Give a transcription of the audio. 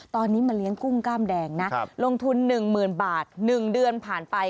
ตอนนี้มาเลี้ยงกุ้งกล้ามแดงนะลงทุน๑๐๐๐บาท๑เดือนผ่านไป